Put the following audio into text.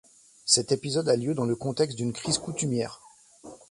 Cet épisode a lieu dans le contexte d'une crise coutumière.